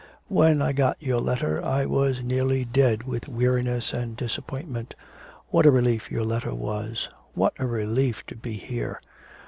When I got your letter I was nearly dead with weariness and disappointment what a relief your letter was what a relief to be here!'